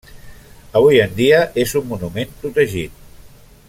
Avui en dia és un monument protegit.